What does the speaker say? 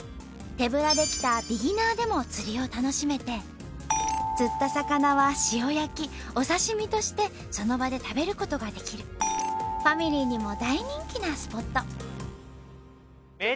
手ぶらで来たビギナーでも釣りを楽しめて釣った魚は塩焼きお刺し身としてその場で食べる事ができるファミリーにも大人気なスポット。